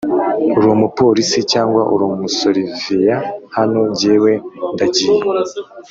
Urumuporisi cyangwa urumusoriveya hano njyewe ndagiye